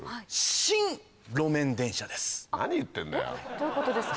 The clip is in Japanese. どういうことですか？